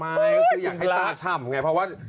ไม่ก็คืออยากให้ตาฉ่ำไงเพราะว่า